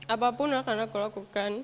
apapun akan aku lakukan